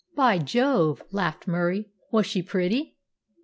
"By Jove!" laughed Murie. "Was she pretty?"